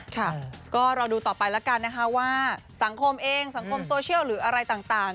ค่ะก็รอดูต่อไปแล้วกันนะคะว่าสังคมเองสังคมโซเชียลหรืออะไรต่าง